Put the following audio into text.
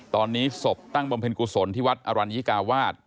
ตอนนี้ศพตั้งบำเพ็ญกุศลที่วัดอรัญญิกาวาส